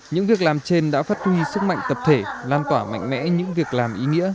những việc làm trên đã phát huy sức mạnh tập thể lan tỏa mạnh mẽ những việc làm ý nghĩa